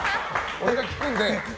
俺が聞くので。